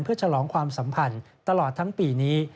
เพื่อฉลองความสัมพันธ์ตลอดทั้งปีนี้